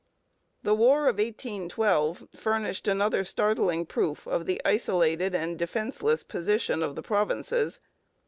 The War of 1812 furnished another startling proof of the isolated and defenceless position of the provinces.